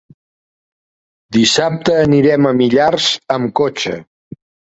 Dissabte anirem a Millars amb cotxe.